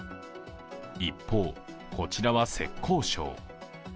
一方、こちらは浙江省。